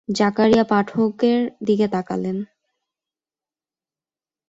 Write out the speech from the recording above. জাকারিয়া পাঠকের দিকে তাকালেন।